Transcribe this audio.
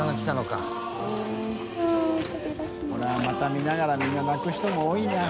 海譴また見ながらみんな泣く人も多いな。